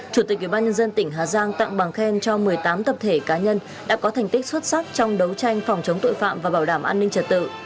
chủ tịch ubnd tỉnh hà giang tặng bằng khen cho một mươi tám tập thể cá nhân đã có thành tích xuất sắc trong đấu tranh phòng chống tội phạm và bảo đảm an ninh trả tự